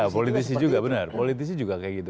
politisi juga benar politisi juga kayak gitu